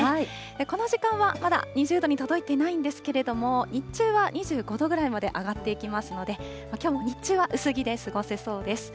この時間はまだ２０度に届いていないんですけれども、日中は２５度ぐらいまで上がっていきますので、きょうも日中は薄着で過ごせそうです。